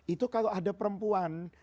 itu kalau ada perempuan